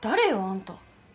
あんた。